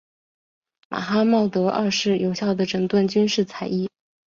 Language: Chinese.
马哈茂德二世有效地整顿军事采邑。